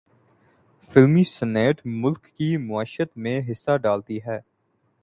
فلمی صنعت ملک کی معیشت میں حصہ ڈالتی ہے۔